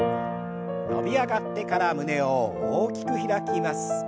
伸び上がってから胸を大きく開きます。